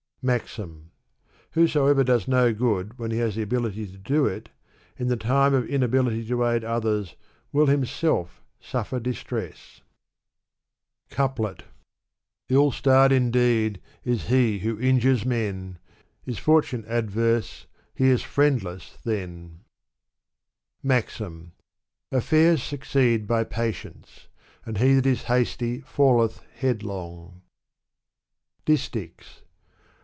MAXIM. Whosoever does no good when he has the ability to do it, in the time of inability to aid others will himself suffer distress. Digitized by Google f^ 312 Sa'di. Coupkt Hi starred, indeed, is he who injures men : Is fortune adverse, he is friendless then. iCAxm. AfEeurs succeed by patience; and he that is hasty Meth headlong. DisHchs.